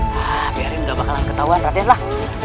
hah biarin gak bakalan ketahuan raden lah